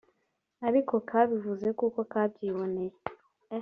ariko kabivuze kuko kabyiboneye